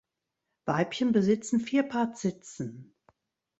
Weibchen besitzen vier Paar Zitzen.